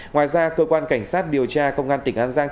ngoài ra cơ quan cảnh sát điều tra công an tỉnh an giang